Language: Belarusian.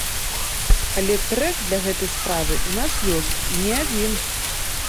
Але трэк для гэтай справы ў нас ёсць і не адзін.